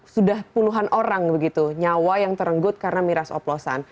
sudah puluhan orang begitu nyawa yang terenggut karena miras oplosan